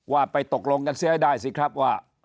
ว่าไปตกลงกันเสียให้ได้สิครับว่า